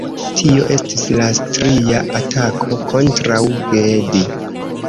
Tio estis la tria atako kontraŭ Gedi.